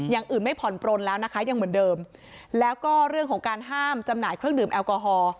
อย่างอื่นไม่ผ่อนปลนแล้วนะคะยังเหมือนเดิมแล้วก็เรื่องของการห้ามจำหน่ายเครื่องดื่มแอลกอฮอล์